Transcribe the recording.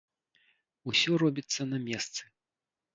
Усё робіцца на месцы.